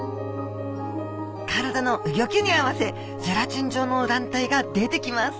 体のうギョきに合わせゼラチン状の卵帯が出てきます